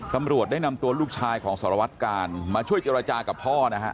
ตำรวจได้นำตัวลูกชายของสารวัตกาลมาช่วยเจรจากับพ่อนะฮะ